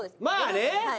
まあね。